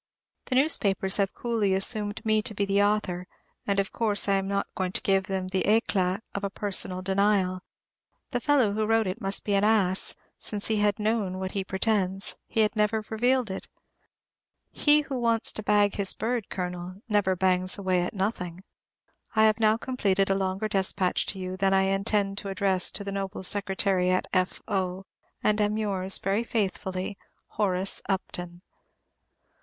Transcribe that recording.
The newspapers have coolly assumed me to be the author, and of course I am not going to give them the éclat of a personal denial. The fellow who wrote it must be an ass; since had he known what he pretends, he had never revealed it. He who wants to bag his bird, Colonel, never bangs away at nothing. I have now completed a longer despatch to you than I intend to address to the Noble Secretary at F. O., and am yours, very faithfully, Horace Upton.